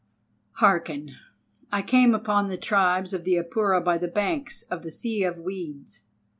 Hearken! I came upon the tribes of the Apura by the banks of the Sea of Weeds.